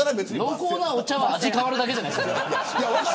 濃厚なお茶は味が変わるだけじゃないですか。